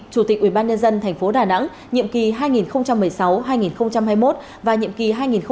chủ tịch ubnd tp đà nẵng nhiệm kỳ hai nghìn một mươi sáu hai nghìn hai mươi một và nhiệm kỳ hai nghìn hai mươi một hai nghìn hai mươi năm